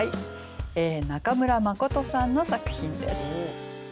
中村マコトさんの作品です。